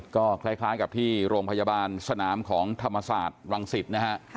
ก็คล้ายกับที่โรงพยาบาลสนามของธรรมศาสตร์รังสิตนะฮะ